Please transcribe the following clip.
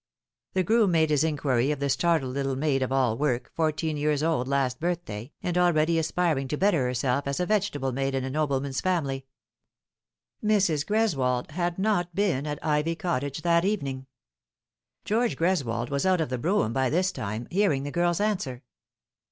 The groom made his inquiry of the startled little maid of all work, fourteen years old last birthday, and already aspiring to better herself as a vegetable maid in a nobleman's family. Mrs. Greswold had not been at Ivy Cottage that evening. George Greswold was out of the brougham by this time, hearing the girl's answer.